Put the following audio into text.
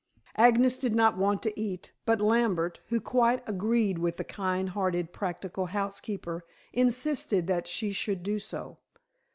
Agnes did not want to eat, but Lambert, who quite agreed with the kind hearted practical housekeeper, insisted that she should do so.